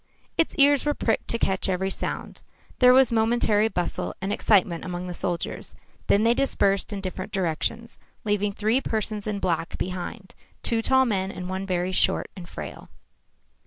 Its ears were pricked to catch every sound. There was momentary bustle and excitement among the soldiers. Then they dispersed in different directions, leaving three persons in black behind, two tall men and one very short and frail.